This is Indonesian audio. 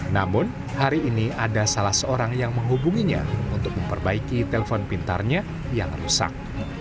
namun hari ini ada salah seorang yang menghubunginya untuk memperbaiki telpon pintarnya yang rusak